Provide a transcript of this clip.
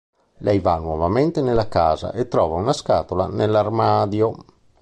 Lei va nuovamente nella casa e trova una scatola nell'armadio.